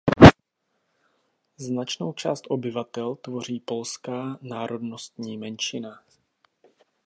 Značnou část obyvatel obce tvoří polská národnostní menšina.